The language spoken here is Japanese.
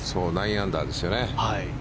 ９アンダーですよね。